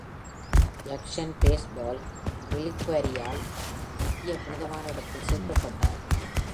Jackson baseball ரிலிகுவரியால் நித்திய புனிதமான இடத்தில் சேர்க்கப்பட்டார்.